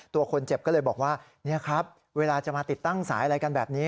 ตัวคนเจ็บก็เลยบอกว่านี่ครับเวลาจะมาติดตั้งสายอะไรกันแบบนี้